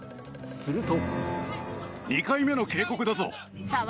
すると。